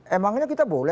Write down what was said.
emangnya kita boleh